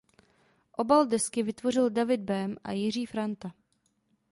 Obal desky vytvořili David Böhm a Jiří Franta.